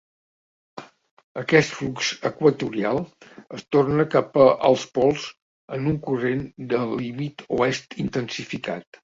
Aquest flux equatorial es torna cap als pols en un corrent de límit oest intensificat.